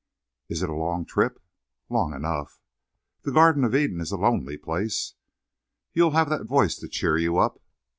"It is a long trip?" "Long enough." "The Garden of Eden is a lonely place." "You'll have the voice to cheer you up."